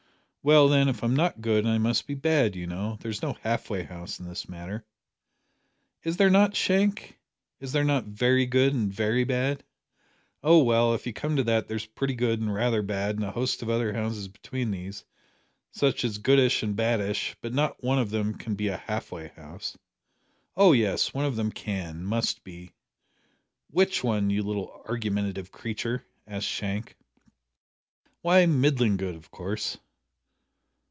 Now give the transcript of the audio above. "Well, then, if I'm not good I must be bad, you know. There's no half way house in this matter." "Is there not, Shank? Is there not very good and very bad?" "Oh, well, if you come to that there's pretty good, and rather bad, and a host of other houses between these, such as goodish and baddish, but not one of them can be a half way house." "Oh yes, one of them can must be." "Which one, you little argumentative creature?" asked Shank. "Why, middling good of course."